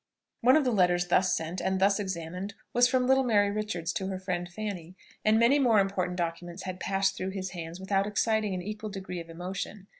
One of the letters thus sent and thus examined was from little Mary Richards to her friend Fanny; and many more important documents had passed through his hands without exciting an equal degree of emotion.